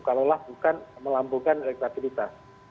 kalau bukan melambungkan elektabilitas